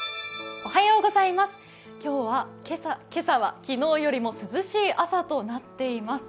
今朝は昨日よりも涼しい朝となっています。